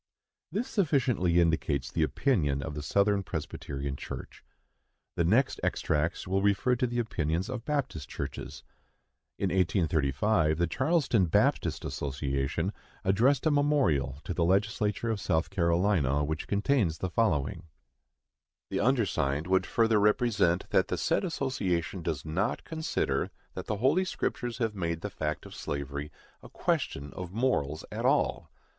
This sufficiently indicates the opinion of the Southern Presbyterian Church. The next extracts will refer to the opinions of Baptist Churches. In 1835 the Charleston Baptist Association addressed a memorial to the Legislature of South Carolina, which contains the following: The undersigned would further represent that the said association does not consider that the Holy Scriptures have made the fact of slavery a question of morals at all.